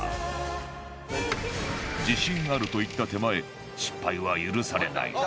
自信があると言った手前失敗は許されない